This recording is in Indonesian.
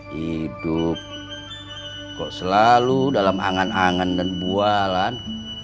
hidup kok selalu dalam angan angan dan bualan